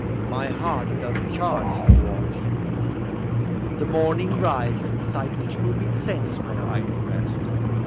My heart doth charge the watch; the morning rise Doth cite each moving sense from idle rest.